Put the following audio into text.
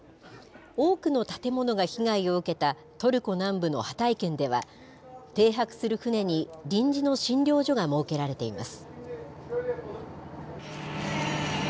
多くの建物が被害を受けたトルコ南部のハタイ県では、停泊する船に臨時の診療所が設けられています。